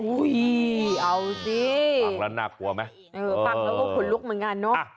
เอาสิฟังแล้วน่ากลัวไหมเออฟังแล้วก็ขนลุกเหมือนกันเนอะ